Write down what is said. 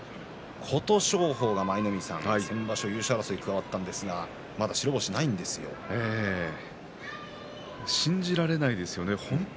琴勝峰が、先場所優勝決定戦に加わったんですが信じられないですよね。